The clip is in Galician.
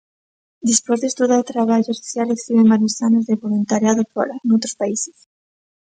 Despois de estudar traballo social estiven varios anos de voluntariado fóra, noutros países.